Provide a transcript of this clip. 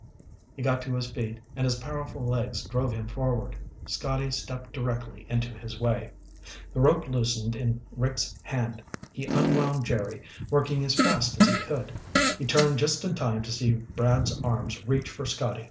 He got to his feet and his powerful legs drove him forward. Scotty stepped directly into his way. The rope loosened in Rick's hand. He unwound Jerry, working as fast as he could. He turned just in time to see Brad's arms reach for Scotty.